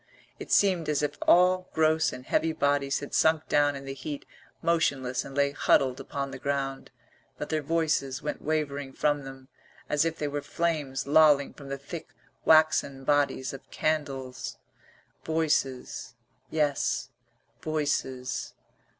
It seemed as if all gross and heavy bodies had sunk down in the heat motionless and lay huddled upon the ground, but their voices went wavering from them as if they were flames lolling from the thick waxen bodies of candles. Voices. Yes, voices.